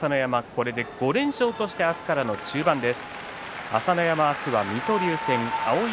これで５連勝として明日からの中盤です。